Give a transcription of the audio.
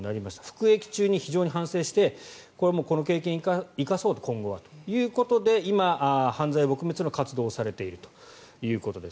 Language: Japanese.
服役中に非常に反省してこの経験を生かそうと、今後はということで今、犯罪撲滅の活動をされているということです。